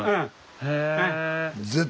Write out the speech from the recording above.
へえ。